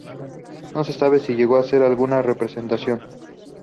No se sabe si llegó a hacerse alguna representación.